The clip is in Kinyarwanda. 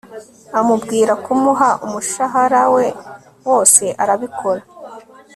amubwira kumuha umushahara we wose arabikora